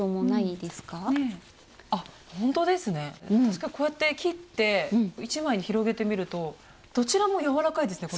確かにこうやって切って１枚に広げてみるとどちらも柔らかいですね